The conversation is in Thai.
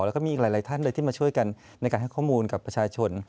แล้วก็มีอีกหลายท่านเลยที่มาช่วยกันในการให้ข้อมูลกับประชาชน